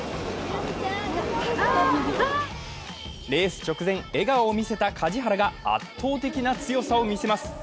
レース直前、笑顔を見せた梶原が圧倒的な強さを見せます。